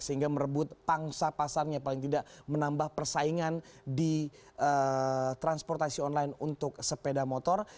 sehingga merebut pangsa pasarnya paling tidak menambah persaingan di transportasi online untuk sepeda motor